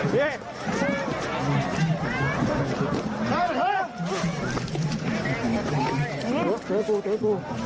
เฮ้ยเฮ้ย